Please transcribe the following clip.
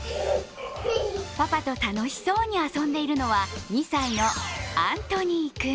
パパと楽しそうに遊んでいるのは２歳のアントニー君。